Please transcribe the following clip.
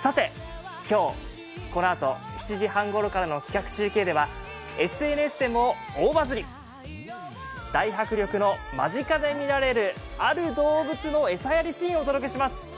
さて今日、このあと７時半ごろからの企画中継ではＳＮＳでも大バズり、大迫力の間近で見られるある動物の餌やりシーンをお届けします！